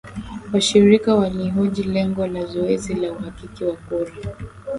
Washirika walihoji lengo la zoezi la uhakiki wa kura.